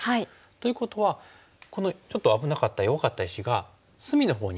ということはこのちょっと危なかった弱かった石が隅のほうに化けるといいますか。